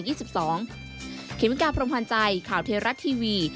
เขียนวิการพรมพันธ์ใจข่าวเทราะต์ทีวี